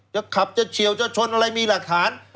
จะขับจะเฉียวจะชนอะไรมีหลักฐาน